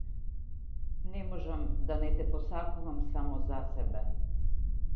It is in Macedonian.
Не можам да не те посакувам само за себе!